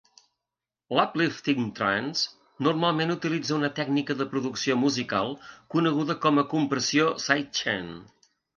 L'uplifting trance normalment utilitza una tècnica de producció musical coneguda com a compressió sidechain.